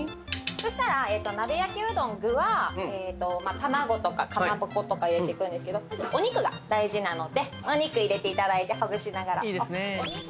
そしたら鍋焼きうどん具は卵とかかまぼことか入れていくんですけどまずお肉が大事なのでお肉入れていただいてほぐしながらいいですね